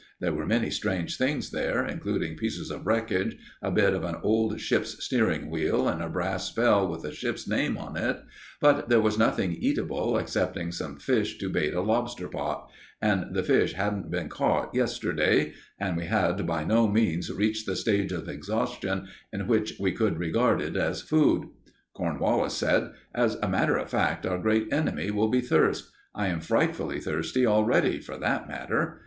There were many strange things there, including pieces of wreckage, a bit of an old ship's steering wheel, and a brass bell with a ship's name on it; but there was nothing eatable excepting some fish to bait a lobster pot; and the fish hadn't been caught yesterday, and we had by no means reached the stage of exhaustion in which we could regard it as food. Cornwallis said: "As a matter of fact, our great enemy will be thirst. I am frightfully thirsty already, for that matter."